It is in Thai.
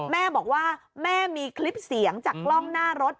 แม่บอกว่าแม่มีคลิปเสียงจากกล้องหน้ารถ